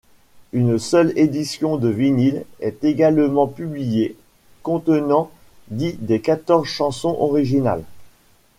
Une seule édition de vinyle est également publiée, contenant dix des quatorze chansons originales.